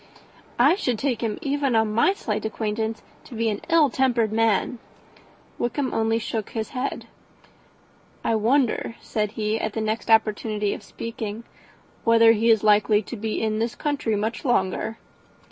"I should take him, even on my slight acquaintance, to be an ill tempered man." Wickham only shook his head. "I wonder," said he, at the next opportunity of speaking, "whether he is likely to be in this country much longer."